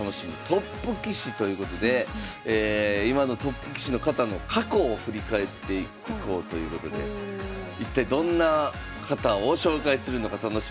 トップ棋士」ということで今のトップ棋士の方の過去を振り返っていこうということで一体どんな方を紹介するのか楽しみにしていただきたいと思います。